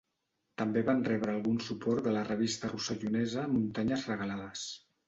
També van rebre algun suport de la revista rossellonesa Muntanyes Regalades.